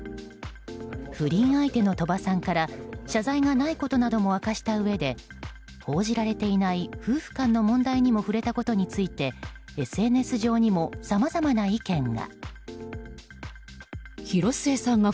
不倫相手の鳥羽さんから謝罪がないことなども明かしたうえで報じられていない夫婦間の問題にも触れたことについてＳＮＳ上にもさまざまな意見が。